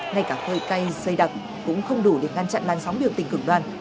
ngay cả khơi cây xây đặc cũng không đủ để ngăn chặn làn sóng biểu tình cực đoan